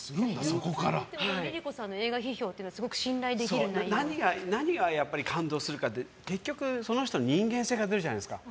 ＬｉＬｉＣｏさんの映画批評っていうのは何が感動するかで結局その人の人間性が出るじゃないですか。